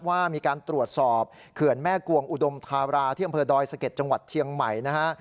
ว่ามีการตรวจสอบเขื่อนแม่กวงอุดมธาราที่อำเภอดอยสะเก็ดจังหวัดเชียงใหม่นะฮะ